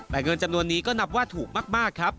แต่เงินจำนวนนี้ก็นับว่าถูกมากครับ